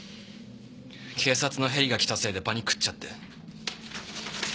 警察のヘリが来たせいでパニクっちゃって。